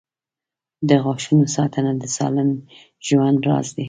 • د غاښونو ساتنه د سالم ژوند راز دی.